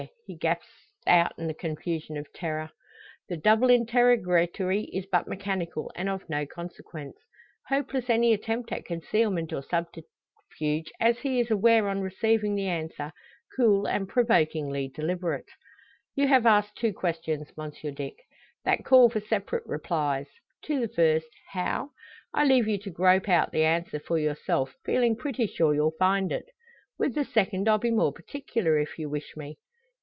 he gasps out in the confusion of terror. The double interrogatory is but mechanical, and of no consequence. Hopeless any attempt at concealment or subterfuge; as he is aware on receiving the answer, cool and provokingly deliberate. "You have asked two questions, Monsieur Dick, that call for separate replies. To the first, `How?' I leave you to grope out the answer for yourself, feeling pretty sure you'll find it. With the second I'll be more particular, if you wish me.